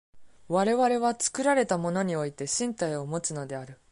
我々は作られたものにおいて身体をもつのである。